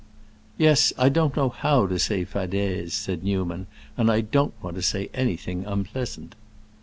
"Yes, I don't know how to say fadaises," said Newman, "and I don't want to say anything unpleasant."